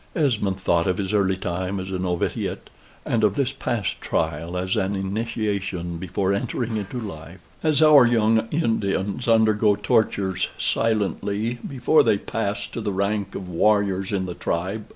Esmond thought of his early time as a novitiate, and of this past trial as an initiation before entering into life as our young Indians undergo tortures silently before they pass to the rank of warriors in the tribe.